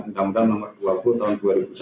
uu no dua puluh tahun dua ribu satu